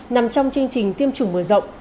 nằm trong chương trình tiêm chủng mùa rộng